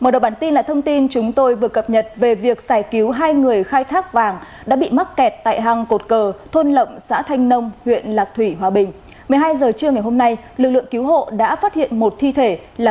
các bạn hãy đăng ký kênh để ủng hộ kênh của chúng mình nhé